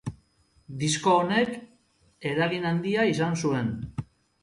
Disko honek eragin handia izan zuen.